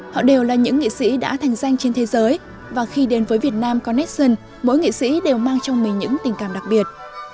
họ đều là những nghị sĩ đã thành danh trên thế giới và khi đến với việt nam conneson mỗi nghệ sĩ đều mang trong mình những tình cảm đặc biệt